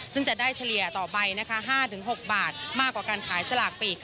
ซึ่งจะได้เฉลี่ยต่อใบ๕๖บาทมากกว่าการขายสลากปีก